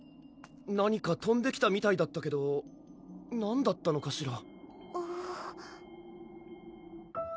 何かとんできたみたいだったけど何だったのかしら？